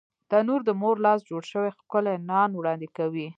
تنور د مور لاس جوړ شوی ښکلی نان وړاندې کوي